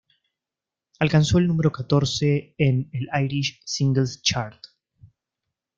Alcanzó el número catorce en el Irish Singles Chart.